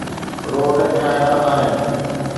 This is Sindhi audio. روڊ ٺاهڻا آهن.